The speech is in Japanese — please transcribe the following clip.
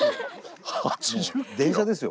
電車ですよ